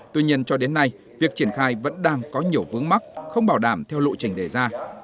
tuy nhiên cho đến nay việc triển khai vẫn đang có nhiều vướng mắt không bảo đảm theo lộ trình đề ra